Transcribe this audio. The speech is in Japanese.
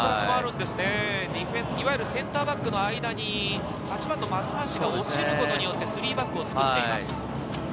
いわゆるセンターバックの間に８番の松橋が落ちることによって３バックを作っています。